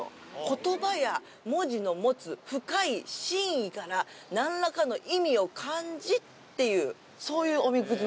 「言葉や文字の持つ深い神意から何らかの意味を感じ」っていう。